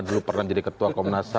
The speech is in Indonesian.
dulu pernah jadi ketua komnas ham